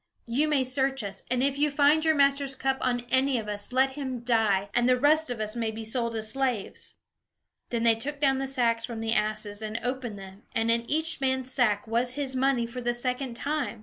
You may search us, and if you find your master's cup on any of us, let him die, and the rest of us may be sold as slaves." Then they took down the sacks from the asses, and opened them; and in each man's sack was his money, for the second time.